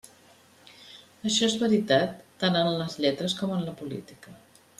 Això és veritat tant en les lletres com en la política.